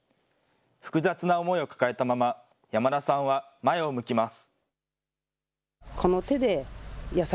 複雑な思いを抱えたまま、山田さんは前を向きます。